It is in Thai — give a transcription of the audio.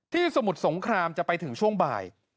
สมุทรสงครามจะไปถึงช่วงบ่าย